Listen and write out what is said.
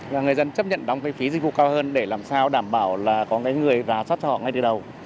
là người dân chấp nhận đóng cái phí dịch vụ cao hơn để làm sao đảm bảo là có người ra sát cho họ ngay từ đầu